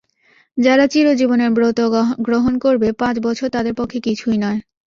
যারা চিরজীবনের ব্রত গ্রহণ করবে, পাঁচ বছর তাদের পক্ষে কিছুই নয়।